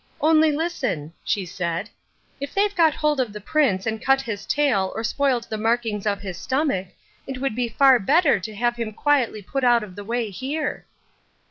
Only listen," she said, "if they've got hold of the Prince and cut his tail or spoiled the markings of his stomach it would be far better to have him quietly put out of the way here."